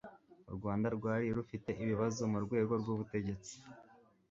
u rwanda rwari rufite ibibazo mu rwego rw'ubutegetsi